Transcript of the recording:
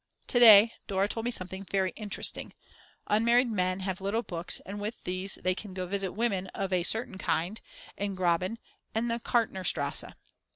To day Dora told me something very interesting. Unmarried men have little books and with these they can go to visit women "of a certain kind" in Graben and in the Karntnerstrasse.